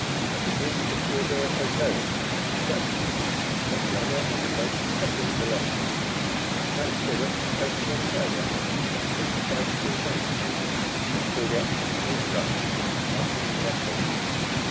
But it is to Theodore Hertoge, a Dutchman, that the honor of the great discovery belongs. He touched the western coast of Australia in 25 degrees latitude, and called it Eendracht, after his vessel.